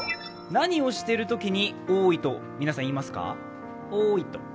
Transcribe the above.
何をしているときにおーいと皆さん言いますか？